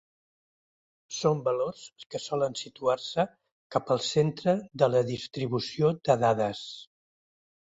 Són valors que solen situar-se cap al centre de la distribució de dades.